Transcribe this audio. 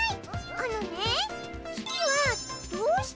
あのね。